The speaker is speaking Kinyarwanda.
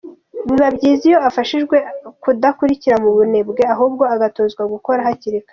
Biba byiza iyo afashijwe kudakurira mu bunebwe ahubwo agatozwa gukora hakiri kare.